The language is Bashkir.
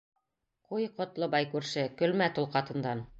Ҡуй, Ҡотлобай күрше, көлмә тол ҡатындан.